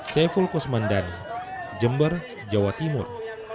seful kosmandani jember jawa timur